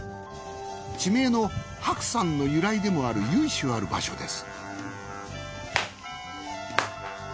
地名の白山の由来でもある由緒ある場所です